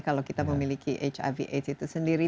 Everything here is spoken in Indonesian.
kalau kita memiliki hiv aids itu sendiri